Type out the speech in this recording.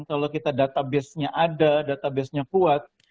kalau kita databasenya ada databasenya kuat